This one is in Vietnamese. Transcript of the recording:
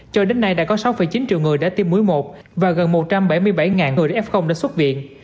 từ đến nay đã có sáu chín triệu người đã tiêm mũi một và gần một trăm bảy mươi bảy người f đã xuất viện